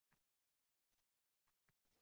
Javob o`rniga sukut